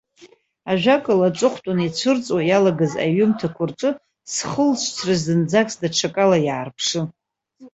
Ажәакала, аҵыхәтәан ицәырҵуа иалагаз аҩымҭақәа рҿы схылҵшьҭра зынӡаск даҽакала иаарԥшын.